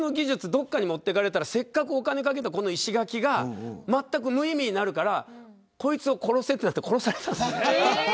どっかに持っていかれたらせっかくお金をかけた石垣がまったく無意味になるからこいつを殺せってなって殺されたんです。